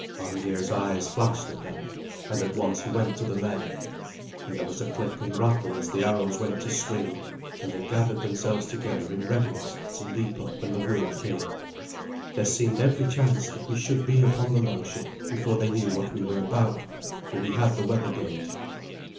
Arngeir's eyes flashed at that, and at once he went to the men, and there was a click and rattle as the arrows went to string, and they gathered themselves together in readiness to leap up when the word came. There seemed every chance that we should be upon the longship before they knew what we were about, for we had the weather gauge.